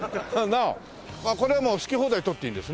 これはもう好き放題取っていいんですね。